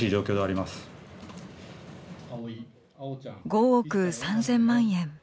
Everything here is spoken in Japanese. ５億３０００万円。